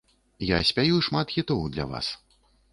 Я спяю шмат хітоў для вас.